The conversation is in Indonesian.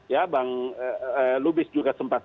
yang lubis juga sempat